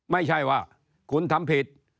ไม่ใช่ว่าคุณทำผิด